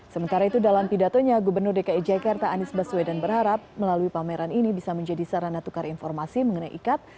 sementara itu dalam pidatonya gubernur dki jakarta anies baswedan berharap melalui pameran ini bisa menjadi sarana tukar informasi mengenai ikat